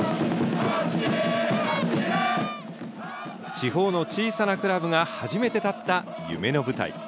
地方の小さなクラブが初めて立った夢の舞台。